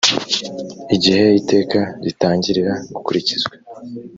igihe iteka ritangirira gukurikizwa